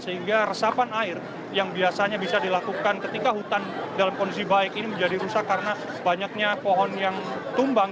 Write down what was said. sehingga resapan air yang biasanya bisa dilakukan ketika hutan dalam kondisi baik ini menjadi rusak karena banyaknya pohon yang tumbang